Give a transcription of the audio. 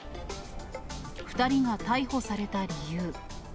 ２人が逮捕された理由。